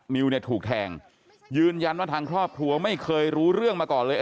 มิวเนี่ยถูกแทงยืนยันว่าทางครอบครัวไม่เคยรู้เรื่องมาก่อนเลย